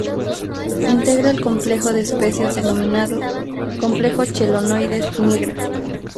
Integra el complejo de especies denominado Complejo "Chelonoidis nigra".